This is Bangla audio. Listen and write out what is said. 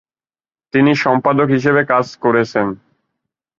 তিনি সম্পাদক হিসেবে কাজ করেছেন।